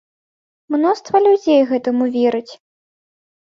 Мноства людзей гэтаму верыць.